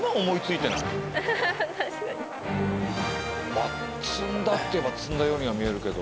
まあ積んだっていえば積んだようには見えるけど。